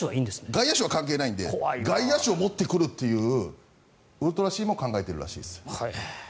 外野手は関係ないので外野手を持ってくるというウルトラＣも考えてるみたいです。